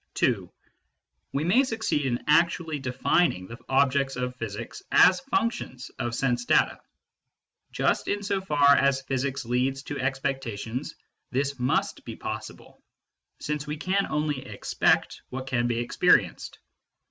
(2) We may succeed in actually defining the objects of physics as functions of sense data. Just in so far as physics leads to expectations, this must be possible, since we can only expect what can be experienced.